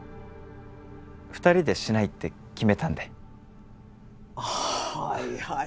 ２人でシないって決めたんではい